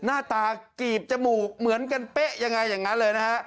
หน้าตากีบจมูกเหมือนกันเป๊ะยังไงอย่างนั้นเลยนะฮะ